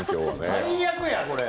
最悪や！